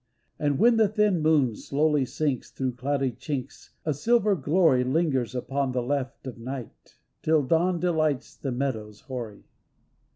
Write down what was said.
And when the thin moon lowly sinks, Through cloudy chinks a silver glory Lingers upon the left of night Till dawn delights the meadows hoary.